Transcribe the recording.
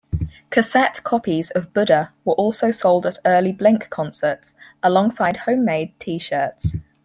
Cassette copies of "Buddha" were also sold at early Blink concerts, alongside homemade T-shirts.